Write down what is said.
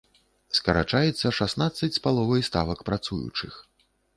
Скарачаецца шаснаццаць з паловай ставак працуючых.